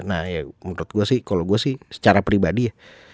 nah ya menurut gue sih kalau gue sih secara pribadi ya